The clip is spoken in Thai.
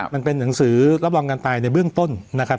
มันเป็นหนังสือรับรองการตายในเบื้องต้นนะครับ